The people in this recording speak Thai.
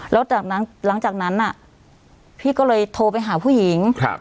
แล้วหลังจากนั้นพี่ก็เลยโทรไปหาผู้หญิง